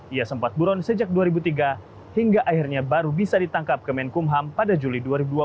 ia sempat buron sejak dua ribu tiga hingga akhirnya baru bisa ditangkap kemenkumham pada juli dua ribu dua puluh